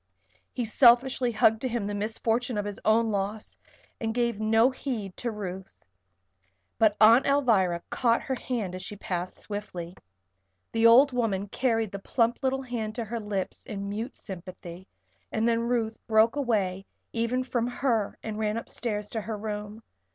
He selfishly hugged to him the misfortune of his own loss and gave no heed to Ruth. But Aunt Alvirah caught her hand as she passed swiftly. The old woman carried the plump little hand to her lips in mute sympathy, and then Ruth broke away even from her and ran upstairs to her room.